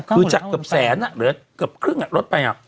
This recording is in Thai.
คือจากเกือบแสนเหลือเกือบครึ่งลดไป